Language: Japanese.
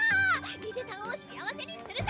リゼたんを幸せにするぞ！